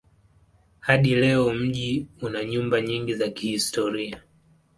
Hadi leo mji una nyumba nyingi za kihistoria.